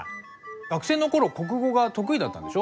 学生の頃国語が得意だったんでしょ？